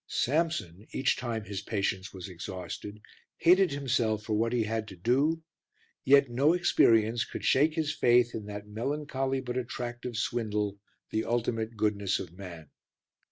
Samson, each time his patience was exhausted, hated himself for what he had to do, yet no experience could shake his faith in that melancholy but attractive swindle the ultimate goodness of man.